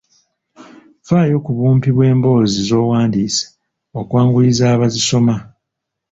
Ffaayo ku bumpi bw'emboozi z'owandiise okwanguyiza abazisoma.